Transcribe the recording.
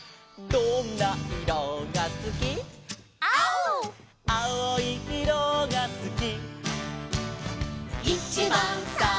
「どんないろがすき」「きいろ」「きいろいいろがすき」